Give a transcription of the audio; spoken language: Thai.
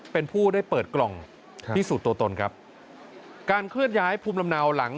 เป็นผู้ได้เปิดกล่องพิสูจน์ตัวตนครับการเคลื่อนย้ายภูมิลำเนาหลัง